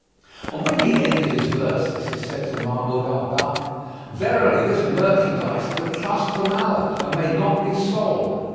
'" And when he ended his verses he said to Mahmud of Balkh, "Verily this merchandise[FN#46] is a trust from Allah and may not be sold.